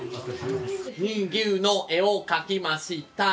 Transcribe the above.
乳牛の絵を描きました。